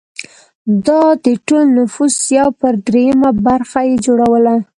دا د ټول نفوس یو پر درېیمه برخه یې جوړوله